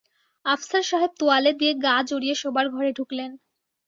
আফসার সাহেব তোয়ালে দিয়ে গা জড়িয়ে শোবার ঘরে ঢুকলেন।